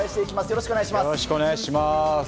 よろしくお願いします。